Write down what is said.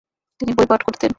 তিনি বই পাঠ করতেন।